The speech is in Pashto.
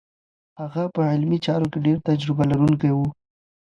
هغه په علمي چارو کې ډېر تجربه لرونکی و.